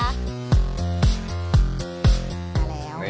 มาแล้ว